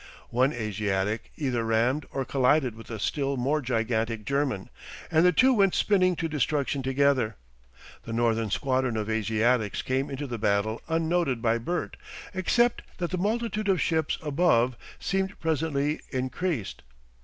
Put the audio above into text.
One Asiatic either rammed or collided with a still more gigantic German, and the two went spinning to destruction together. The northern squadron of Asiatics came into the battle unnoted by Bert, except that the multitude of ships above seemed presently increased.